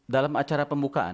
dalam acara pembukaan